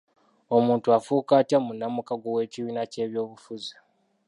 Omuntu afuuka atya munnamukago w'ekibiina ky'ebyobufuzi?